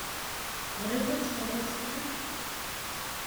Tebɣiḍ ad teffɣeḍ azekka?